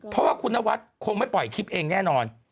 เพราะว่าคุณนวัดคงไม่ปล่อยคลิปเองแน่นอน